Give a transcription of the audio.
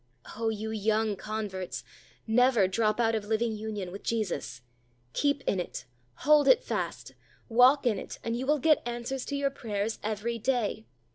Oh! you young converts, never drop out of living union with Jesus. Keep in it hold it fast walk in it, and you will get answers to your prayers every day.